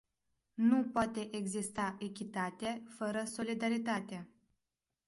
Nu poate exista echitate fără solidaritate.